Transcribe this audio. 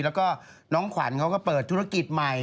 แล้วก็น้องขวัญเขาก็เปิดธุรกิจใหม่